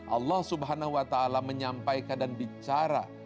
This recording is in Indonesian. allah subhanahu wa ta'ala menyampaikan dan bicara